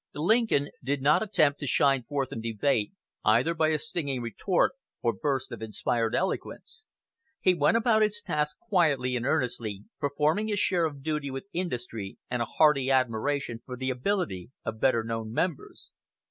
Lincoln did not attempt to shine forth in debate, either by a stinging retort, or burst of inspired eloquence. He went about his task quietly and earnestly, performing his share of duty with industry and a hearty admiration for the ability of better known members.